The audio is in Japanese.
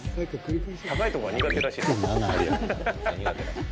高いところが苦手らしいですよ。